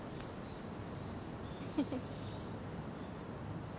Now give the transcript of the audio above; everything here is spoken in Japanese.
フフフ。